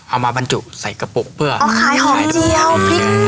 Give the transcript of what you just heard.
เอามาบรรจุใส่กระปุกเพื่อเอาขายหอมเจียวพริก